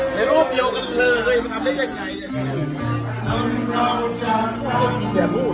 ไ้โลภเดียวกันเลยมันทำได้ยังไหน